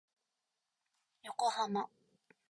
横浜